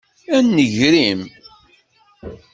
A nnger-iw!